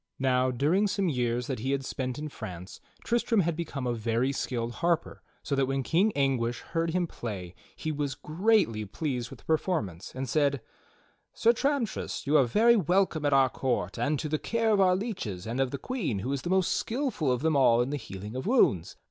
Now, during some years that he had spent in France, Tristram had become a very skillful harper, so that when King Anguish heard him play he was greatly pleased with the performance, and said: "Sir Tramtrist, you are very welcome at our court and to the care of our leeches, and of the Queen who is the most skillful of them all in the healing of wounds.